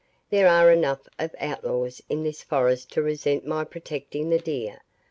There are enough of outlaws in this forest to resent my protecting the deer.